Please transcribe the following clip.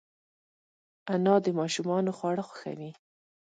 انا د ماشومانو خواړه خوښوي